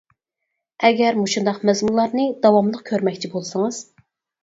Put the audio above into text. ئەگەر مۇشۇنداق مەزمۇنلارنى داۋاملىق كۆرمەكچى بولسىڭىز.